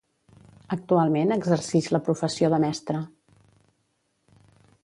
Actualment exercix la professió de mestre.